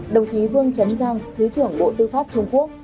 đồng chí vương trấn giang thứ trưởng bộ tư pháp trung quốc